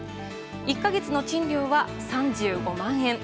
１か月の賃料は３５万円。